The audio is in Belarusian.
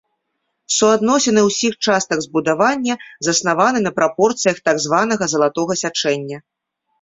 Суадносіны ўсіх частак збудавання заснаваны на прапорцыях так званага залатога сячэння.